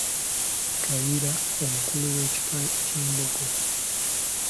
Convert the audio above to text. Kayiira omukulu w’ekika ky’Embogo.